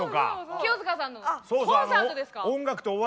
清塚さんのコンサートですか？